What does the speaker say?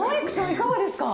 いかがですか？